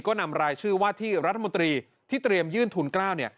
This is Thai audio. ก็นำรายชื่อว่าที่รัฐมนตรีที่เตรียมยื่นทุน๙